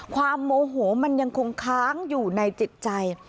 โมโหมันยังคงค้างอยู่ในจิตใจ